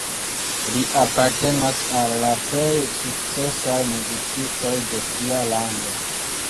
Li apartenas al la plej sukcesaj muzikistoj de sia lando.